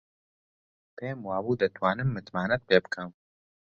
پێم وابوو دەتوانم متمانەت پێ بکەم.